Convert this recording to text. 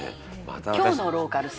「今日のローカル線」